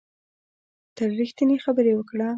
تل ریښتینې خبرې وکړه